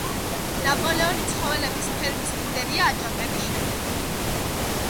ნაპოლეონი ცხოველების ფერმის ლიდერია აჯანყების შემდეგ.